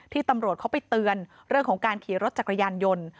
ตำรวจเขาไปเตือนเรื่องของการขี่รถจักรยานยนต์